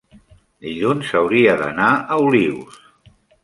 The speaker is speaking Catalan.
dilluns hauria d'anar a Olius.